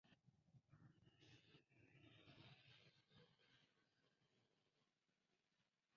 The plant is known to be heat tolerant.